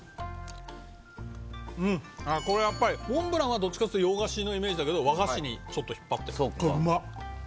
うんこれはやっぱりモンブランはどっちかっつうと洋菓子のイメージだけど和菓子にちょっと引っ張って。